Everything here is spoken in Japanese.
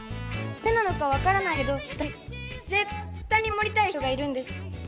夢なのかわからないけど私絶対に守りたい人がいるんです。